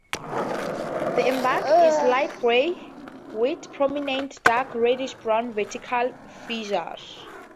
The bark is light gray, with prominent dark reddish-brown vertical fissures.